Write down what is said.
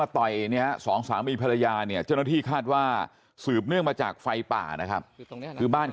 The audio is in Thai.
เจ็บปวดเปล่านะด้วยความรู้สึกมันขนาดไหนครับ